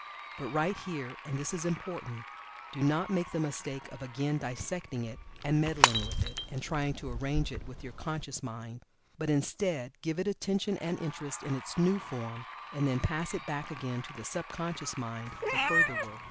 But right here and this is important do not make the mistake of again dissecting it, and meddling with it, and trying to arrange it with your conscious mind. But, instead, give it attention and interest in its new form, and then pass it back again to the sub conscious mind for further work.